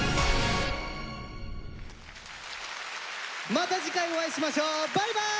また次回お会いしましょうバイバーイ！